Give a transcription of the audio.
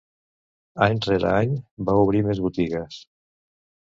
Any rere any, va obrir més botigues.